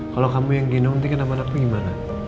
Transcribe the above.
kalau kamu yang gendong nanti kenapa anakmu gimana